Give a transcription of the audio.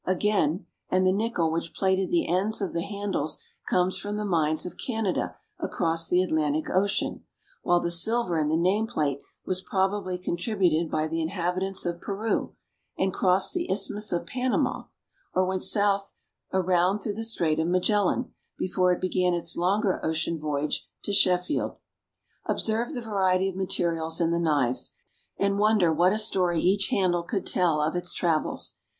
Again, and the nickel which plated the ends of the handles comes from the mines of Canada across the Atlantic Ocean, while the silver in the name plate was probably contributed by the inhabitants of Peru, and crossed the Isthmus of Panama, or went south around through the Strait of Magellan, before it began its longer ocean voyage to Sheffield. Observe the variety of materials in the knives, and wonder what a story each handle could tell of its travels.